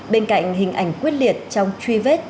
bên cạnh hình ảnh quyết liệt trong truy vết